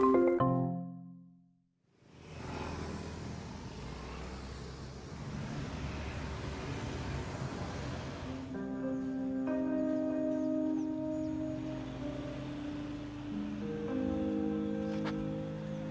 udah sus teraduk